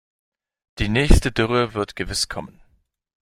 Die nächste Dürre wird gewiss kommen.